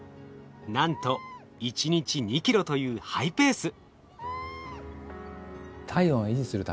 なんと１日２ｋｇというハイペース。